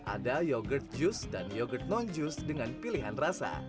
ada yogurt jus dan yogurt non jus dengan pilihan rasa